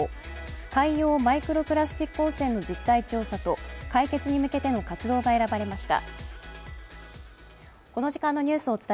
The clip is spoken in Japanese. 海洋マイクロプラスチック汚染の実態調査と解決に向けての活動が選ばれました。